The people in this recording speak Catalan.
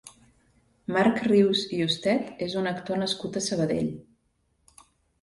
Marc Rius i Ustet és un actor nascut a Sabadell.